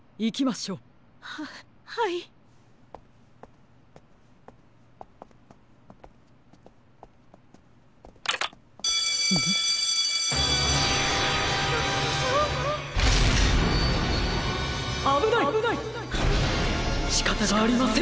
しかたがありません！